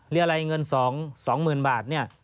เลี้ยไรเงิน๒๐๐๐๐บาท